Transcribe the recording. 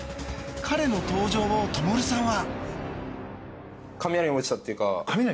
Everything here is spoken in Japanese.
彼の登場を、灯さんは。